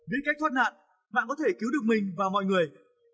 biết cách thoát nạn bạn có thể cứu được mình và mọi người